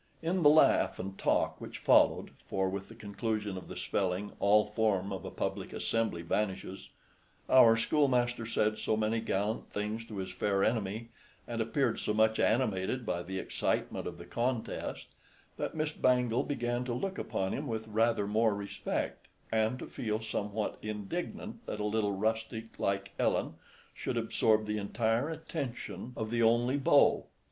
In the laugh and talk which followed (for with the conclusion of the spelling, all form of a public assembly vanishes), our schoolmaster said so many gallant things to his fair enemy, and appeared so much animated by the excitement of the contest, that Miss Bangle began to look upon him with rather more respect, and to feel somewhat indignant that a little rustic like Ellen should absorb the entire attention of the only beau.